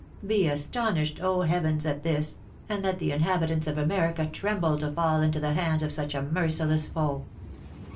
Be astonished, O heavens, at this, and let the inhabitants of America tremble to fall into the hands of such a merciless foe."